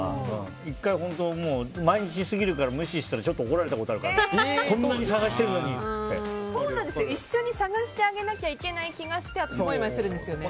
１回、本当に毎日過ぎるから無視したらちょっと怒られたことあるから一緒に探してあげなきゃいけない気がして私はもやもやするんですよね。